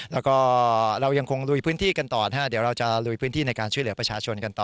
แล้วก็เรายังคงลุยพื้นที่กันต่อนะฮะเดี๋ยวเราจะลุยพื้นที่ในการช่วยเหลือประชาชนกันต่อ